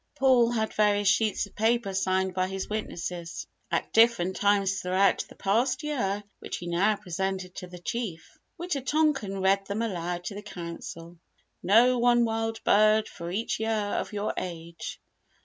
Paul had various sheets of paper signed by his witnesses at different times throughout the past year which he now presented to the Chief. Wita tonkan read them aloud to the Council. "Know one wild bird for each year of your age."